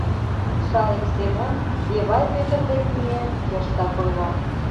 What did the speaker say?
Шайык Семон, Эвай Пӧтыр дек миен, йыштак ойла: